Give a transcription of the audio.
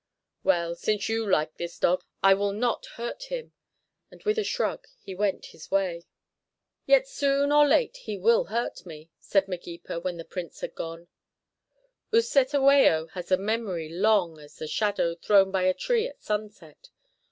Well, since you like this dog, I will not hurt him"; and with a shrug he went his way. "Yet soon or late he will hurt me," said Magepa, when the Prince had gone. "U'Cetewayo has a memory long as the shadow thrown by a tree at sunset.